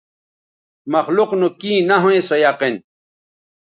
مخلوق نو کیں نہ ھویں سو یقین